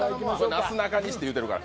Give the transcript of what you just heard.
なすなかにしって言ってるから。